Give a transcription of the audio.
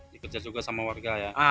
dikejar juga sama warga ya